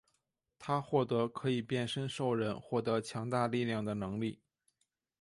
他获得可以变身兽人获得强大力量的能力。